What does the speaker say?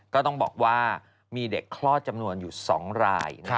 ก็ต้องบอกว่ามีเด็กคลอดจำนวนอยู่๒ราย